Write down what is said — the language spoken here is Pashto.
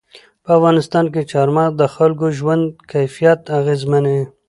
په افغانستان کې چار مغز د خلکو ژوند کیفیت اغېزمنوي.